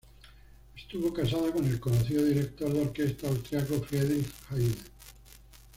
Estuvo casada con el conocido director de orquesta austríaco Friedrich Haider.